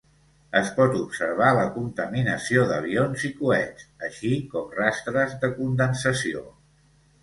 Es pot observar la contaminació d'avions i coets, així com rastres de condensació.